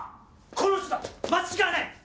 この人だ間違いない。